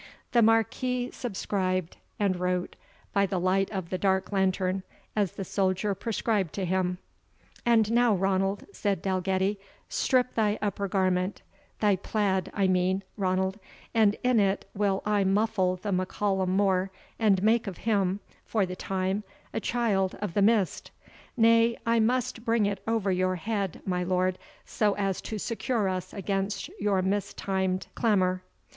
The Marquis subscribed, and wrote, by the light of the dark lantern, as the soldier prescribed to him. "And now, Ranald," said Dalgetty, "strip thy upper garment thy plaid I mean, Ranald, and in it will I muffle the M'Callum More, and make of him, for the time, a Child of the Mist; Nay, I must bring it over your head, my lord, so as to secure us against your mistimed clamour.